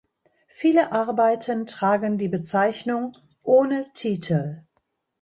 Viele Arbeiten tragen die Bezeichnung „Ohne Titel“.